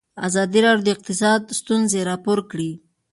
ازادي راډیو د اقتصاد ستونزې راپور کړي.